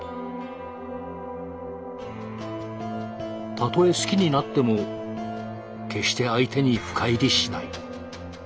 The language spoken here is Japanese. たとえ好きになっても決して相手に深入りしない。